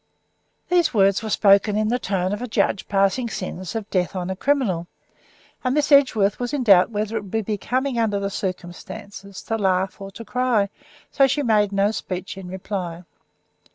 These words were spoken in the tone of a judge passing sentence of death on a criminal, and Miss Edgeworth was in doubt whether it would be becoming under the circumstances to laugh or to cry, so she made no speech in reply.